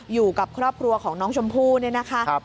อยู่กับครอบครัวของน้องชมพู่เนี่ยนะคะ